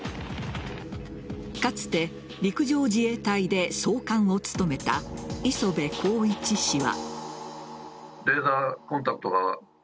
かつて陸上自衛隊で総監を務めた磯部晃一氏は。